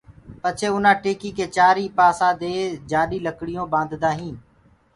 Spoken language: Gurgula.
پڇي اُنآ ٽيڪيٚ ڪي چآرئي پآسي دي جآڏي لڪڙيونٚ باندآ هينٚ